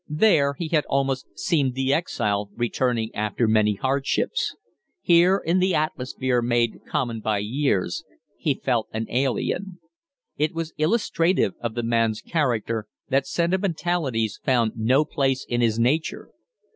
There he had almost seemed the exile returning after many hardships; here, in the atmosphere made common by years, he felt an alien. It was illustrative of the man's character that sentimentalities found no place in his nature.